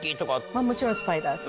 まぁもちろんスパイダース。